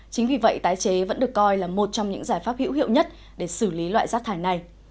đây là một trong những giải pháp hữu hiệu nhất để xử lý loại rác thải này